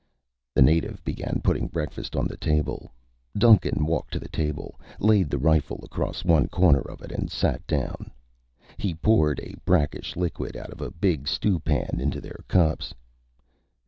The native began putting breakfast on the table. Duncan walked to the table, laid the rifle across one corner of it and sat down. He poured a brackish liquid out of a big stew pan into their cups.